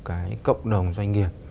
cái cộng đồng doanh nghiệp